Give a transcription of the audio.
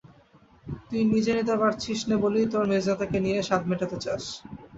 তুই নিজে নিতে পারছিস নে বলেই তোর মেজদাদাকে দিয়ে সাধ মেটাতে চাস।